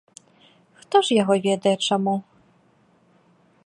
Хто ж яго ведае чаму.